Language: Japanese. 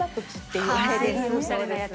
おしゃれなやつ。